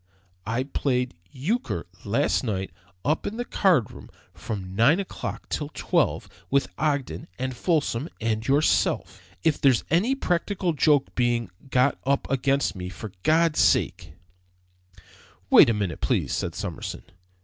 I played euchre last night, up in the card room, from nine o'clock till twelve, with Ogden and Folsom and yourself. If there's any practical joke being got up against me, for God's sake " "Wait a minute, please," said Summerson.